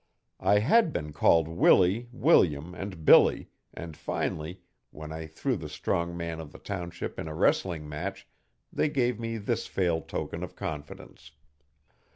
I had been called Willie, William and Billy, and finally, when I threw the strong man of the township in a wrestling match they gave me this full token of confidence.